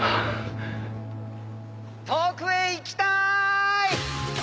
遠くへ行きたい！